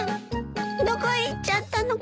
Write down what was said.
どこへ行っちゃったのかしら？